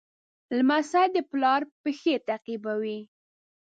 لمسی د پلار پېښې تعقیبوي.